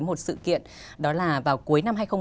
cái sự kiện đó là vào cuối năm hai nghìn một mươi bảy